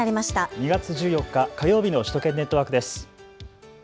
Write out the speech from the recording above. ２月１４日火曜日の首都圏ネットワークです。